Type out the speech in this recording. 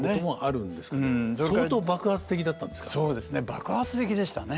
爆発的でしたね。